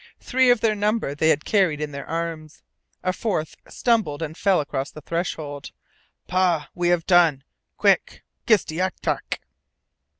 Three of their number they had carried in their arms. A fourth stumbled and fell across the threshold. "Pa! We have done. Quick kistayetak!"